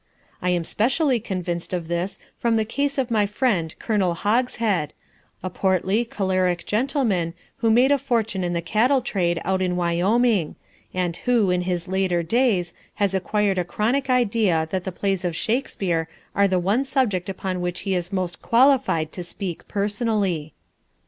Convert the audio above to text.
I am specially convinced of this from the case of my friend Colonel Hogshead, a portly, choleric gentleman who made a fortune in the cattle trade out in Wyoming, and who, in his later days, has acquired a chronic idea that the plays of Shakespeare are the one subject upon which he is most qualified to speak personally.